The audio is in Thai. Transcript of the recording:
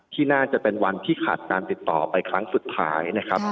ที่น่าจะเป็นวันที่ขาดการติดต่อไปครั้งสุดท้ายนะครับ